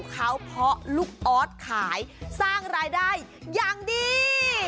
เขาเพาะลูกออสขายสร้างรายได้อย่างดี